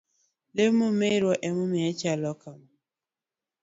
Lamo merwa emomiyo achal kama